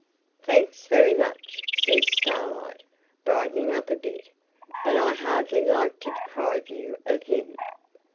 'Thanks, very much,' says Starlight, brightening up a bit; 'but I hardly like to deprive you of him.